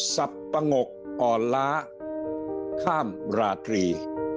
สับปะงกอ่อนล้าข้ามราตรี